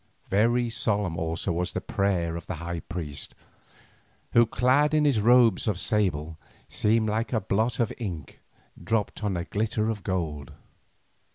Very solemn also was the prayer of the high priest, who, clad in his robes of sable, seemed like a blot of ink dropped on a glitter of gold.